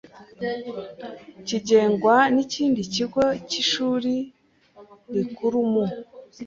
kigengwa n ikindi kigo cy ishuri rikuru mu